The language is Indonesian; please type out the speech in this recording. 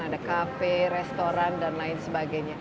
ada kafe restoran dan lain sebagainya